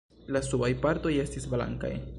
La subaj partoj estis blankaj.